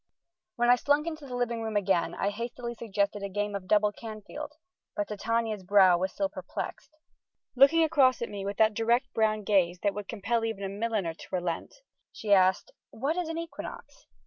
When I slunk into the living room again I hastily suggested a game of double Canfield, but Titania's brow was still perplexed. Looking across at me with that direct brown gaze that would compel even a milliner to relent, she asked: "What is an equinox?"